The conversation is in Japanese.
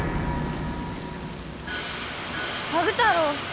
ハグ太郎。